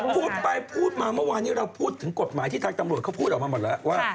พูดไปพูดมาเมื่อวานนี้เราพูดถึงกฎหมายที่ทางตำรวจเขาพูดออกมาหมดแล้วว่า